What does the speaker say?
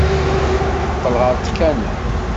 Teqqel ɣer tkanna.